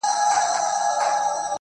ستا د يادو لپاره.